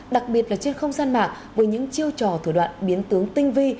đặc biệt là trên không gian mạng với những chiêu trò thủ đoạn biến tướng tinh vi